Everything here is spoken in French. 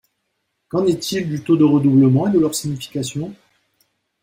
Qu'en est-il des taux de redoublement et de leur signification?